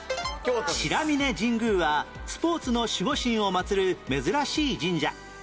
白峯神宮はスポーツの守護神を祀る珍しい神社